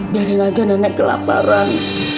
biarin aja nenek kelaparan